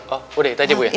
oh udah itu aja bu ya